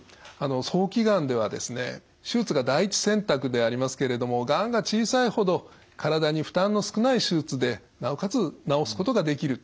早期がんではですね手術が第一選択でありますけれどもがんが小さいほど体に負担の少ない手術でなおかつ治すことができる。